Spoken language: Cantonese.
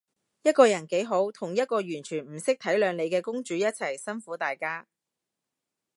一個人幾好，同一個完全唔識體諒你嘅公主一齊，辛苦大家